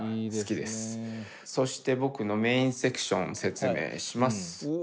そして僕のメインセクション説明します。